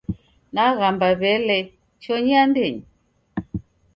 Naghamba w'elee, chonyi andenyi!